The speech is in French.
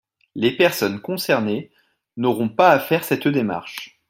Les personnes concernées n’auront pas à faire cette démarche.